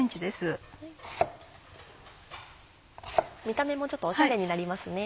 見た目もちょっとおしゃれになりますね。